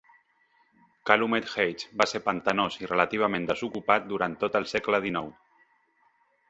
Calumet Heights va ser pantanós i relativament desocupat durant tot el segle XIX.